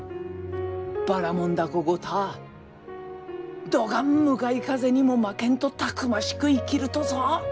ばらもん凧ごたぁどがん向かい風にも負けんとたくましく生きるとぞ。